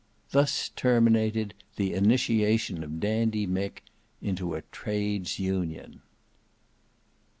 Thus terminated the initiation of Dandy Mick into a TRADES UNION.